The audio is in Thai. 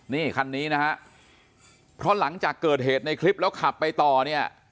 นี่คันนี้นะฮะเพราะหลังจากเกิดเหตุในคลิปแล้วขับไปต่อเนี่ย